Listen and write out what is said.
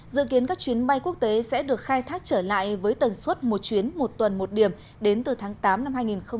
dự kiến các chuyến bay quốc tế sẽ được khai thác trở lại với tần suất một chuyến một tuần một điểm đến từ tháng tám năm hai nghìn hai mươi